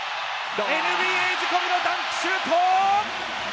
ＮＢＡ仕込みのダンクシュート！